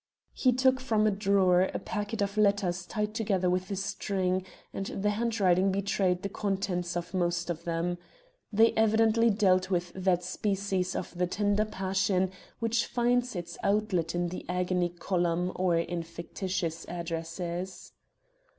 He took from a drawer a packet of letters tied together with string, and the handwriting betrayed the contents of most of them. They evidently dealt with that species of the tender passion which finds its outlet in the agony column or in fictitious addresses.